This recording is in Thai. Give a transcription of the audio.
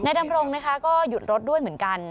ดำรงนะคะก็หยุดรถด้วยเหมือนกัน